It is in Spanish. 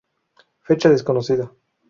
Fecha desconocida